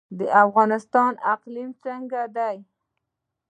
د افغانستان اقلیم څنګه دی؟